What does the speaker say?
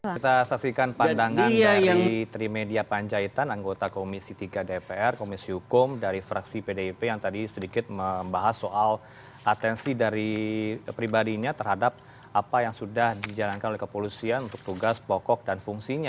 kita saksikan pandangan dari trimedia panjaitan anggota komisi tiga dpr komisi hukum dari fraksi pdip yang tadi sedikit membahas soal atensi dari pribadinya terhadap apa yang sudah dijalankan oleh kepolisian untuk tugas pokok dan fungsinya